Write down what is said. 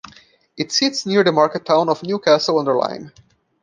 It sits near the market town of Newcastle-under-Lyme.